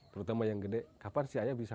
terutama yang gede kapan si ayah bisa